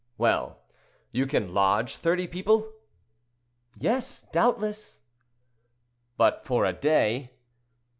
"Well; you can lodge thirty people?" "Yes, doubtless." "But for a day?"